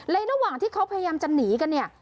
ระหว่างที่เขาพยายามจะหนีกันเนี่ย